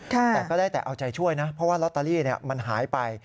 แต่ก็ได้แต่เอาใจช่วยนะเพราะว่าลอตเตอรี่มันหายไป